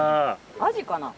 アジかな？